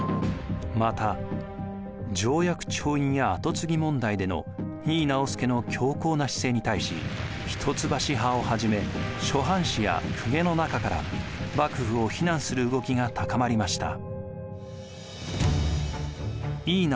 また条約調印やあと継ぎ問題での井伊直弼の強硬な姿勢に対し一橋派をはじめ諸藩士や公家の中から幕府を非難する動きが高まりました。